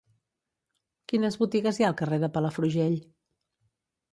Quines botigues hi ha al carrer de Palafrugell?